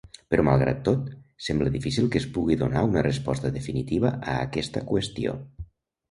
Però malgrat tot, sembla difícil que es pugui donar una resposta definitiva a aquesta qüestió.